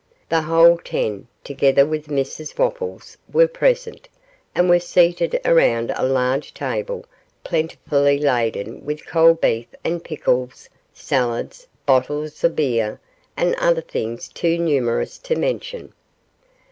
The whole ten, together with Mrs Wopples, were present, and were seated around a large table plentifully laden with cold beef and pickles, salads, bottles of beer, and other things too numerous to mention.